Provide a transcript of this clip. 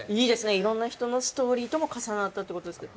いろんな人のストーリーとも重なったってことですから。